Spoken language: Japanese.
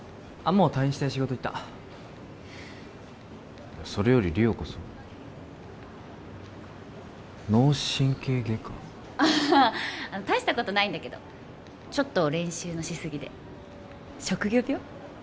あっもう退院して仕事行ったそれより理緒こそ「脳神経外科」ああ大したことないんだけどちょっと練習のしすぎで職業病？